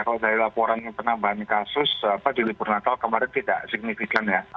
kalau dari laporan yang pernah bahami kasus di lipurnatal kemarin tidak signifikan ya